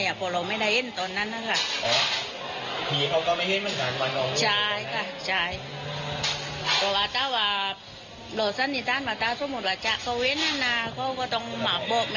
เพราะเราไม่ได้เล่นตอนนั้นนะคะ